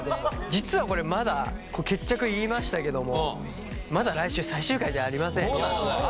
実はこれまだ「決着」言いましたけどもまだ来週最終回じゃありませんから。